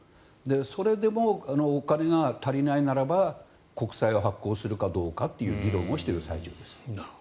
それでもお金が足りないならば国債を発行するかどうかという議論をしている最中です。